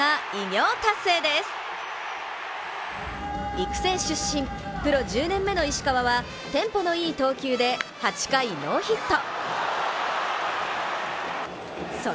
育成出身、プロ１０年目の石川はテンポのいい投球で８回ノーヒット。